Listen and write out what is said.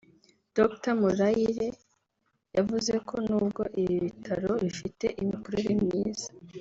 Dr Murayire yavuze ko n’ubwo ibi bitaro bifite imikorere myiza